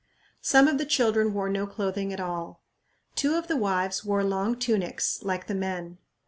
Some of the children wore no clothing at all. Two of the wives wore long tunics like the men.